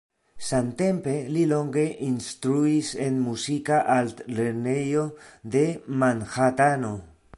Samtempe li longe instruis en muzika altlernejo de Manhatano.